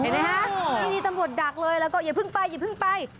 ถี่นี่ตำรวจดักเลยอย่าเพิ่งไปอย่าเพิ่งไป